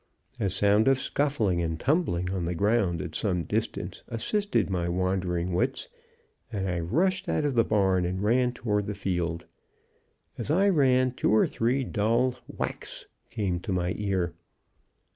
A sound of scuffling and tumbling on the ground at some distance assisted my wandering wits, and I rushed out of the barn and ran toward the field. As I ran, two or three dull whacks came to my ear.